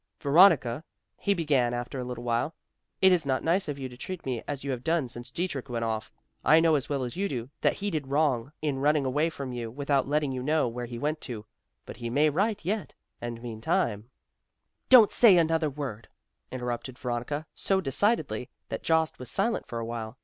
"Veronica," he began after a little while, "it is not nice of you to treat me as you have done since Dietrich went off. I know as well as you do, that he did wrong in running away from you without letting you know where he went to; but he may write yet, and meantime " "Don't say another word," interrupted Veronica; so decidedly that Jost was silent for awhile.